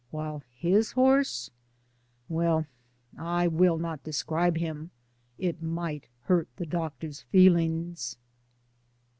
While his horse^— well, I will not de scribe him. It might hurt the doctor's feel ings.